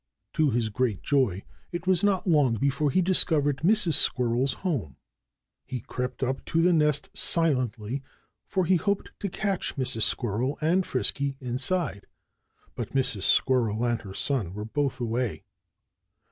To his great joy, it was not long before he discovered Mrs. Squirrel's home. He crept up to the nest silently; for he hoped to catch Mrs. Squirrel and Frisky inside. But Mrs. Squirrel and her son were both away.